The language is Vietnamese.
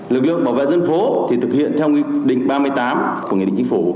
lực lượng bảo vệ dân phố thì thực hiện theo nghị định ba mươi tám của nghị định chính phủ